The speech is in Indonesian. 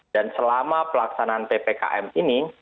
dan selama pelaksanaan ppkm ini